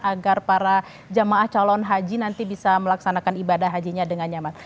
agar para jemaah calon haji bisa berjalan dengan baik terima kasih